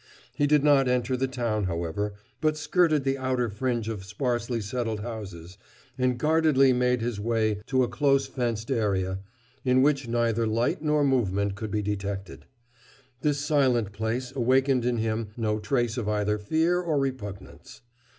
He did not enter the town, however, but skirted the outer fringe of sparsely settled houses and guardedly made his way to a close fenced area, in which neither light nor movement could be detected. This silent place awakened in him no trace of either fear or repugnance.